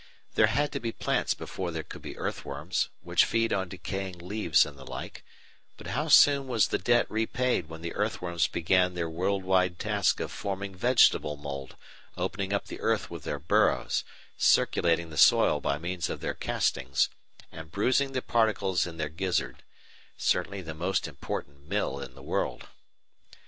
There had to be plants before there could be earthworms, which feed on decaying leaves and the like, but how soon was the debt repaid when the earthworms began their worldwide task of forming vegetable mould, opening up the earth with their burrows, circulating the soil by means of their castings, and bruising the particles in their gizzard certainly the most important mill in the world.